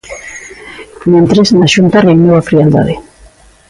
Mentres, na Xunta reinou a frialdade.